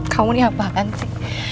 kamu nih apaan sih